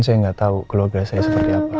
saya nggak tahu keluarga saya seperti apa